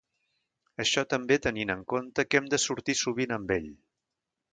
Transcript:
Això també tenint en compte que hem de sortir sovint amb ell.